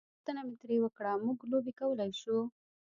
پوښتنه مې ترې وکړه: موږ لوبې کولای شو؟